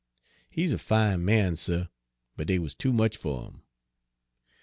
He's a fine man, suh, but dey wuz too much fer 'im!"